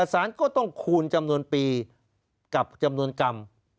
สารก็ต้องคูณจำนวนปีกับจำนวนกรรม